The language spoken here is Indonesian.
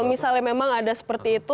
misalnya memang ada seperti itu